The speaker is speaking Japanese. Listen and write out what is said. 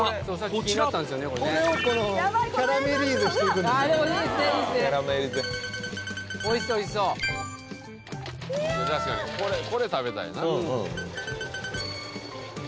これこれ食べたいな